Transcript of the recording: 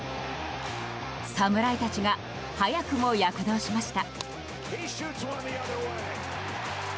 侍たちが早くも躍動しました。